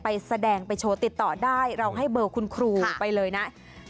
ไปแสดงไปโชว์ติดต่อได้เราให้เบอร์คุณครูไปเลยนะ